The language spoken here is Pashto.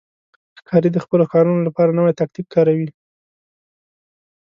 ښکاري د خپلو ښکارونو لپاره نوی تاکتیک کاروي.